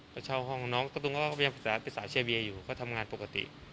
ก็เช่าห้องน้องกระตุ้นก็ยังไปสาเชียเบียอยู่ก็ทำงานปกติ